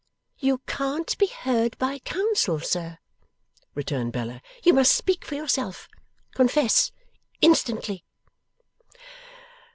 'You can't be heard by counsel, sir,' returned Bella. 'You must speak for yourself. Confess instantly!